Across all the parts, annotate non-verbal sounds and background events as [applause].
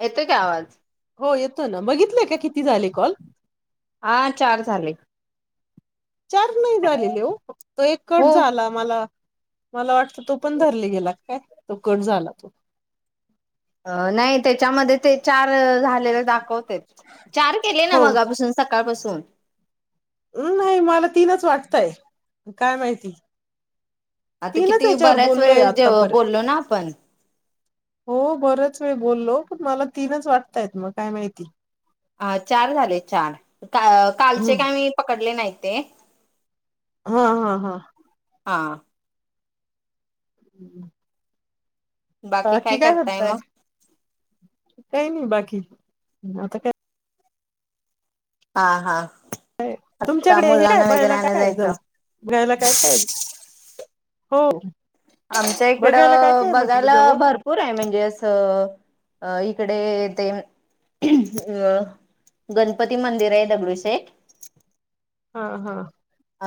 येतोय काय आवाज? हो येतो ना बघितलंय का की हा चार झाले. चार नाही झालेले ओ फक्त एकच हो झाला मला मला वाट तो पण धरले गेला काय? तो कट झाला तो. नाही त्याच्यामध्ये ते चार झा दाखवते. चार केले ना हो मगापासून सकाळपासून? [inaudible] नाही मला तीनच वाटतय, काय माहिती. आता तीनच किती याच्यावर बऱ्याच बोललोय वेळ जेव आतापर्यंत बोललो ना आपण. हो बरच वेळ बोललो, पण मला तीनच वाटतय मग काय माहिती. आ चार झाले चार. का कालचे हम्म. काय मी पकडले नाहीत. ते. हा हा हा. हा. हम्म. बाकी काय करताय? काही नाही बाकी. आता काय हा हा. आता तुमच्याकडे हे काय मुलांना वगैरे बायला आणाय काय आहे जाऊ, जायचं. घयला काय काय हो. आमच्या बघायला काय इकडं काय म्हटलं बघायला जवळ भरपूर आहे म्हणजे अस इडे ते, अ गणपती मंदिर आहे दगडू शेठ. हा हा. अ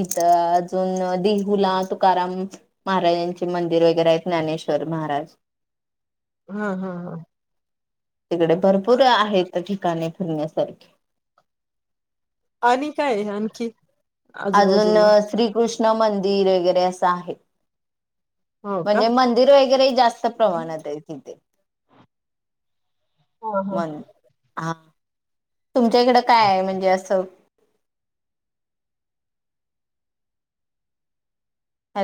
इथं अजून देहुला तुकाराम महाराजांचे मंदिर वगैरे आहेत ज्ञानेश्वर महाराज. हा हा हा. इकडे भरपूर आहेतठी काने फिरण्यासारखी. आणि काय आणखी? अजून आजूबाजूला श्रीकृष्ण कृष्ण मंदिर वगैरे असं हो का? म्हणजे मंदिर वगैरेही जास्त प्रमाणात आहेत् तिथे. हा हा. मन हा. तुमच्या इकडं काय आहे, म्हणजे असं